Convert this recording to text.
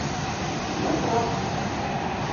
Йокрок.